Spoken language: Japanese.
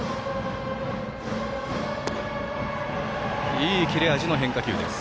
いい切れ味の変化球です。